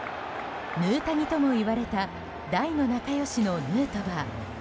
ヌータニとも言われた大の仲良しのヌートバー。